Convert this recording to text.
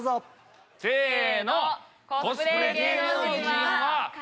せの！